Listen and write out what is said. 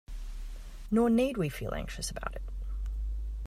Nor need we feel anxious about it.